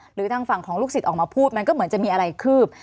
หรือทางฝั่งของลูกศิษย์ออกมาพูดมันก็เหมือนจะมีอะไรคืบ